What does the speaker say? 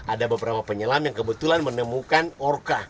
ada beberapa penyelam yang kebetulan menemukan orka